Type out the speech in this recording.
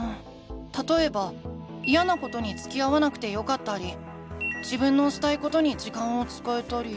たとえばイヤなことにつきあわなくてよかったり自分のしたいことに時間を使えたり。